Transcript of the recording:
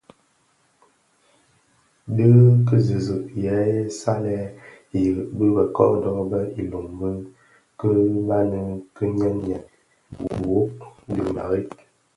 Dhi ki zizig yè salèn irig bi bë kodo bë ilom ki baňi kè nyèn nyèn (bighök dhi mereb).